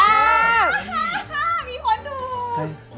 ครับมีคนดู